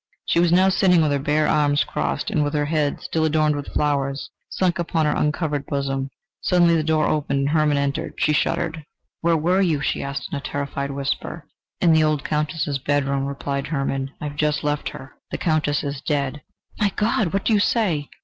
She was now sitting with her bare arms crossed and with her head, still adorned with flowers, sunk upon her uncovered bosom. Suddenly the door opened and Hermann entered. She shuddered. "Where were you?" she asked in a terrified whisper. "In the old Countess's bedroom," replied Hermann: "I have just left her. The Countess is dead." "My God! What do you say?"